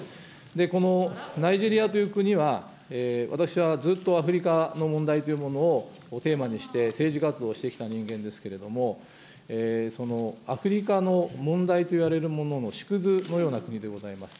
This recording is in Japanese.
このナイジェリアという国は、私はずっとアフリカの問題というものをテーマにして、政治活動をしてきた人間ですけれども、そのアフリカの問題といわれるものの縮図のような国であります。